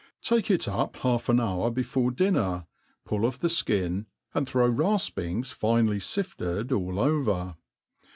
Take it up half an hour l>efore dinner, pull oflF the ikin, and throw rafpings finely Gft« cd all over.